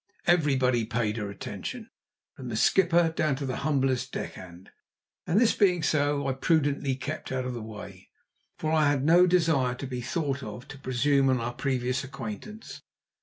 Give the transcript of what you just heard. Everybody paid her attention, from the skipper down to the humblest deck hand. And this being so, I prudently kept out of the way, for I had no desire to be thought to presume on our previous acquaintance.